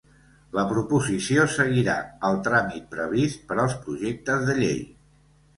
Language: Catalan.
La proposició seguirà el tràmit previst per als projectes de llei.